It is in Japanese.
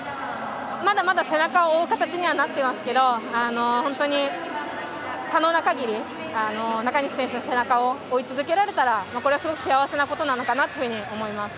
まだまだ背中を追う形になっていますけど本当に可能な限り中西選手の背中を追い続けられたらこれはすごく幸せなことなのかなと思います。